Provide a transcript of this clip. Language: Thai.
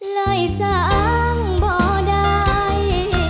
เลยสังบ่ได้